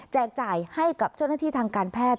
จ่ายให้กับเจ้าหน้าที่ทางการแพทย์